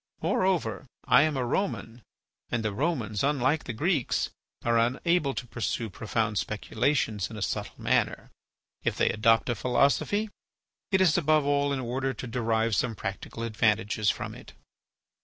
Moreover, I am a Roman, and the Romans, unlike the Greeks, are unable to pursue profound speculations in a subtle manner. If they adopt a philosophy it is above all in order to derive some practical advantages from it.